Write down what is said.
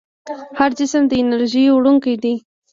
هر جسم د انرژۍ وړونکی دی.